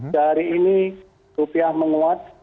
sehari ini rupiah menguat